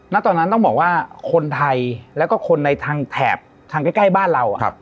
ณตอนนั้นต้องบอกว่าคนไทยแล้วก็คนในทางแถบทางใกล้บ้านเรา